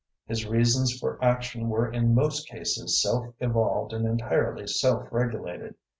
His reasons for action were in most cases self evolved and entirely self regulated.